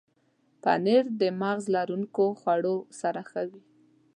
پنېر د مغز لرونکو خوړو سره ښه وي.